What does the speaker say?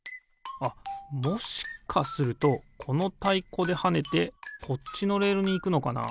あっもしかするとこのたいこではねてこっちのレールにいくのかな？